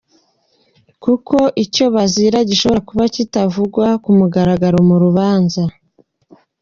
Kuko icyo bazira gishobora kuba kitavugwa ku mugaragaro mu rubanza.